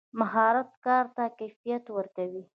مهارت کار ته کیفیت ورکوي.